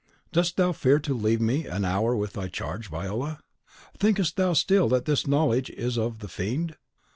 "Dost thou fear to leave me an hour with thy charge, Viola? Thinkest thou still that this knowledge is of the Fiend?"